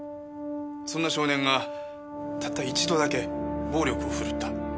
そんな少年がたった一度だけ暴力を振るった。